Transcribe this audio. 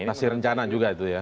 masih rencana juga itu ya